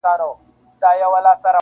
• دا له کومو جنتونو یې راغلی -